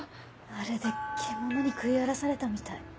まるで獣に食い荒らされたみたい。